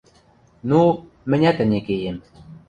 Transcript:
– Ну, мӹнят ӹне кеем...